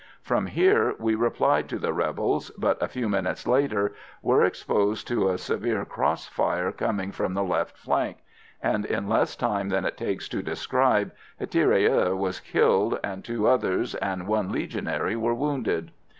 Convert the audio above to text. From here we replied to the rebels, but, a few minutes later, were exposed to a severe cross fire coming from the left flank; and, in less time than it takes to describe, a tirailleur was killed, and two others and one Legionary were wounded.